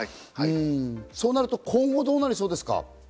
そうなると今後、どうなりそうですか？